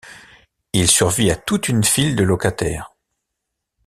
Il survit à toute une file de locataires.